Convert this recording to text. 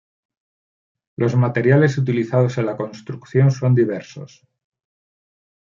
Los materiales utilizados en la construcción son diversos.